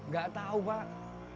gak tau pak